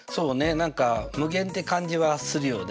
何か無限って感じはするよね。